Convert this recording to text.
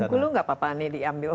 mengkulu nggak apa apa nih diambil